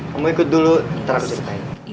kamu ikut dulu ntar aku ceritain